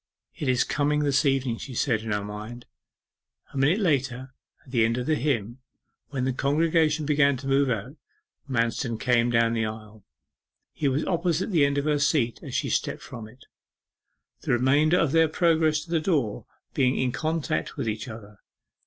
'It is coming this evening,' she said in her mind. A minute later, at the end of the hymn, when the congregation began to move out, Manston came down the aisle. He was opposite the end of her seat as she stepped from it, the remainder of their progress to the door being in contact with each other.